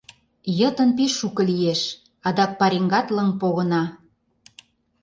— Йытын пеш шуко лиеш, адак пареҥгат лыҥ погына.